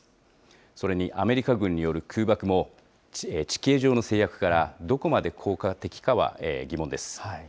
それにアメリカ軍による空爆も、地形上の制約からどこまで効果的かは疑問です。